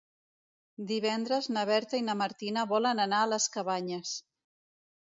Divendres na Berta i na Martina volen anar a les Cabanyes.